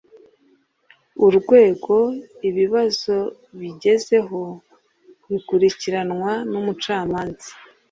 urwego ibibazo bigezeho bikurikiranwa n’umucamanza